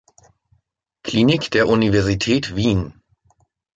Klinik der Universität Wien.